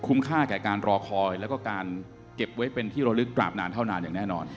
ค่าแก่การรอคอยแล้วก็การเก็บไว้เป็นที่ระลึกกราบนานเท่านานอย่างแน่นอน